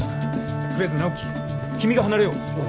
とりあえず直木君が離れようちょっ